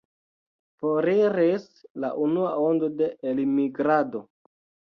Foriris la unua ondo de elmigrado.